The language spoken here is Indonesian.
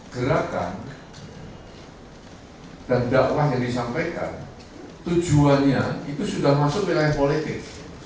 gerakan dan dakwah yang disampaikan tujuannya itu sudah masuk wilayah politik